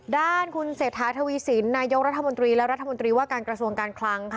ด้านคุณเศรษฐาทวีสินนายกรัฐมนตรีและรัฐมนตรีว่าการกระทรวงการคลังค่ะ